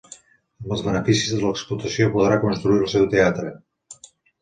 Amb els beneficis de l'explotació podrà construir el seu teatre.